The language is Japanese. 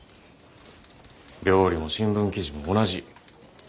料理も新聞記事も同じ。